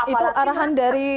itu arahan dari